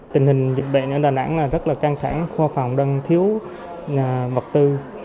tình hình dịch bệnh ở đà nẵng rất là căng thẳng khoa phòng đang thiếu vật tư